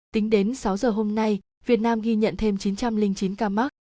tính đến sáu giờ hôm nay việt nam ghi nhận thêm chín trăm linh chín ca mắc